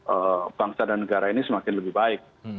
eee bangsa dan negara ini semakin lebih baik